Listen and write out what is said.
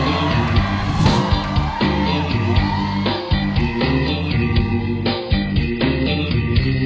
เมื่อนี้มีแผงห่องเนี่ยณปาก